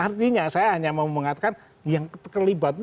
artinya saya hanya mau mengatakan yang terlibat